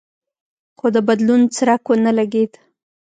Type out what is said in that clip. خو د بدلون څرک ونه لګېد.